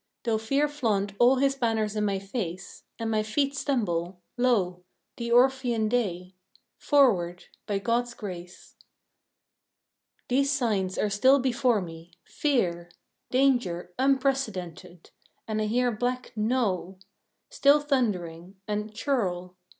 Though Fear flaunt all his banners in my face, And my feet stumble, lo! the Orphean Day! Forward by God's grace! These signs are still before me: "Fear," "Danger," "Unprecedented," and I hear black "No" Still thundering, and "Churl."